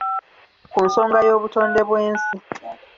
Ku nsonga y’obutonde bw’ensi.